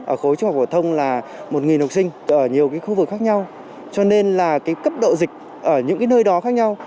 ở khối trung học phổ thông là một học sinh ở nhiều khu vực khác nhau cho nên là cái cấp độ dịch ở những nơi đó khác nhau